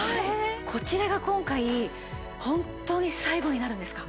こちらが今回本当に最後になるんですか？